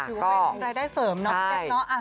ถือว่าเป็นรายได้เสริมเนาะพี่แจ๊คเนอะ